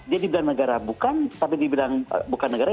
dia dibilang negara bukan tapi dibilang bukan negara